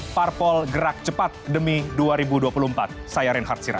parpol gerak cepat demi dua ribu dua puluh empat saya reinhard sira